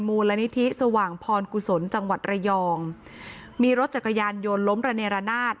มูลนิธิสว่างพรกุศลจังหวัดระยองมีรถจักรยานยนต์ล้มระเนรนาศ